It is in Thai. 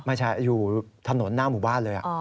ไม่ใช่อยู่ถนนหน้าหมู่บ้านเลย